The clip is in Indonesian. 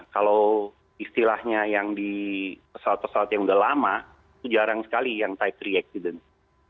kalau istilahnya yang di pesawat pesawat yang sudah lama jarang sekali yang type tiga accident